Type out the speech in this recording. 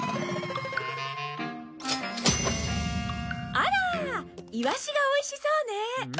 あらイワシがおいしそうね。